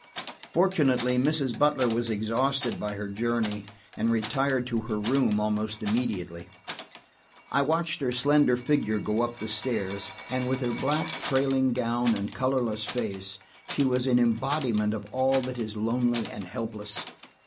Fortunately, Mrs. Butler was exhausted by her journey, and retired to her room almost immediately. I watched her slender figure go up the stairs, and, with her black trailing gown and colorless face, she was an embodiment of all that is lonely and helpless.